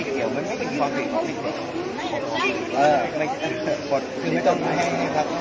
สวัสดีครับพี่เบนสวัสดีครับ